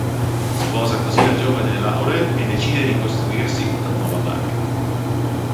Sposa così la giovane Laurel e decide di costruirsi una nuova barca.